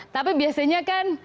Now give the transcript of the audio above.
tapi biasanya kan